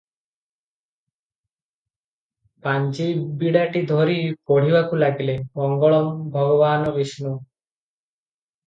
ପାଞ୍ଜିବିଡ଼ାଟି ଧରି ପଢ଼ିବାକୁ ଲାଗିଲେ - "ମଙ୍ଗଳଂ ଭଗବାନ ବିଷ୍ଣୁ"